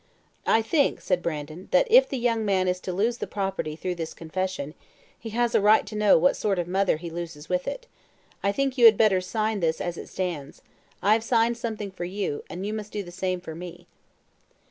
"I think," said Brandon, "that if the young man is to lose the property through this confession, he has a right to know what sort of mother he loses with it. I think you had better sign this as it stands. I have signed something for you, and you must do the same for me."